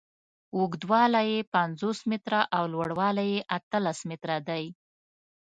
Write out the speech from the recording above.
اوږدوالی یې پنځوس متره او لوړوالی یې اتلس متره دی.